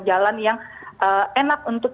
jalan yang enak untuk